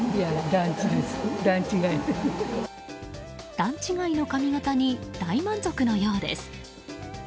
段違いの髪形に大満足のようです。